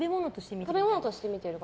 食べ物として見てる？